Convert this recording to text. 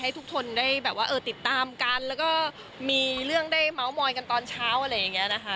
ให้ทุกคนได้แบบว่าเออติดตามกันแล้วก็มีเรื่องได้เมาส์มอยกันตอนเช้าอะไรอย่างนี้นะคะ